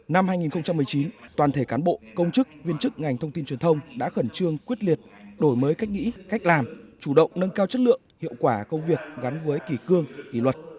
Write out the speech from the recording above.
năm hai nghìn một mươi chín toàn thể cán bộ công chức viên chức ngành thông tin truyền thông đã khẩn trương quyết liệt đổi mới cách nghĩ cách làm chủ động nâng cao chất lượng hiệu quả công việc gắn với kỳ cương kỳ luật